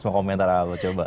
mau komentar apa coba